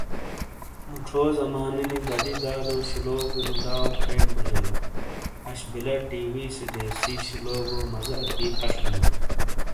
موچھو زمانے نی دادی دادو شلوکو نی لاؤ کھین بوجیلو اش بلا ٹی۔ ویسے دیسی شلوگو مزا اکی فش بلوں۔